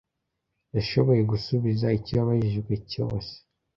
Yashoboye gusubiza icyo yabajijwe cyose.